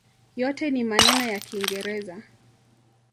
Yote ni maneno ya kiingereza.